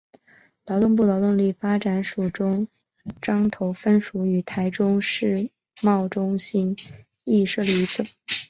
劳动部劳动力发展署中彰投分署与台中世贸中心亦设立于此。